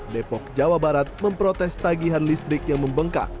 depok jawa barat memprotes tagihan listrik yang membengkak